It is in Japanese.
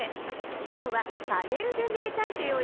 きょうは「パネルでめいたんてい」をやるわよ。